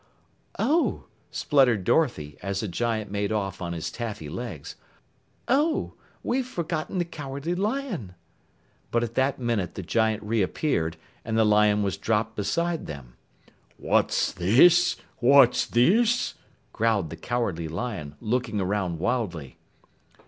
"Oh!" spluttered Dorothy as the giant made off on his taffy legs. "Oh, we've forgotten the Cowardly Lion!" But at that minute, the giant reappeared, and the lion was dropped beside them. "What's this? What's this?" growled the Cowardly Lion, looking around wildly.